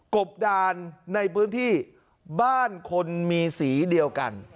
บดานในพื้นที่บ้านคนมีสีเดียวกัน